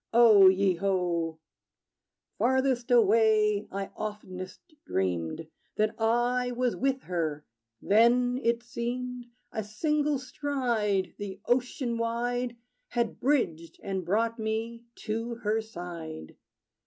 O ye ho! Farthest away, I oftenest dreamed That I was with her. Then, it seemed A single stride the ocean wide Had bridged, and brought me to her side.